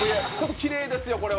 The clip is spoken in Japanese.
きれいですよ、これは。